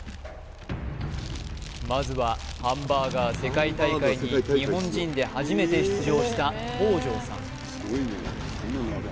まずはハンバーガー世界大会に日本人で初めて出場した東條さん